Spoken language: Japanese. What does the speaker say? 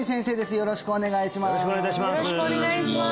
よろしくお願いします